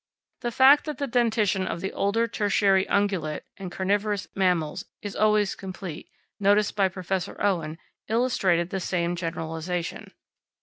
The fact that the dentition of the older tertiary ungulate and carnivorous mammals is always complete, noticed by Professor Owen, illustrated the same generalisation.